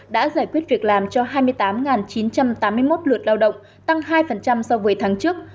đã giải quyết việc làm cho hai mươi tám chín trăm tám mươi một lượt lao động tăng hai so với tháng trước